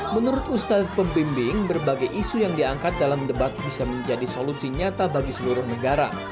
menurut ustadz pembimbing berbagai isu yang diangkat dalam debat bisa menjadi solusi nyata bagi seluruh negara